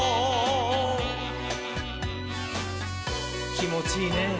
きもちいいねぇ。